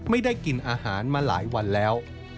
ไม่ได้กินอาหารมาหลายวันแล้ว